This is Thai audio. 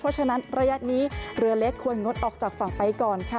เพราะฉะนั้นระยะนี้เรือเล็กควรงดออกจากฝั่งไปก่อนค่ะ